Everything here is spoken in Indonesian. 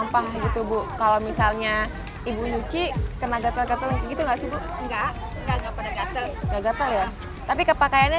oh enggak kuning ya